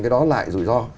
cái đó lại rủi ro